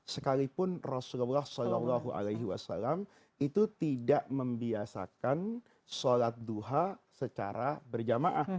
sekalipun rasulullah saw itu tidak membiasakan sholat duha secara berjamaah